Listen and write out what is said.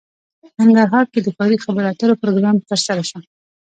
ننګرهار کې د ښاري خبرو اترو پروګرام ترسره شو